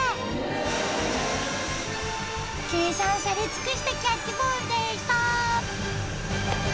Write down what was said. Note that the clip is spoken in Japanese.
計算され尽くしたキャッチボールでした。